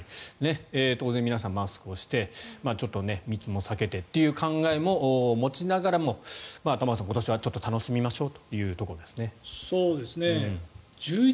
当然、皆さんマスクをしてちょっと密を避けてという考えも持ちながらも玉川さん、今年はちょっと楽しみましょうというところですね。